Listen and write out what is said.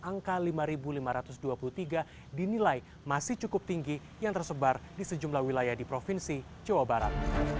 angka lima lima ratus dua puluh tiga dinilai masih cukup tinggi yang tersebar di sejumlah wilayah di provinsi jawa barat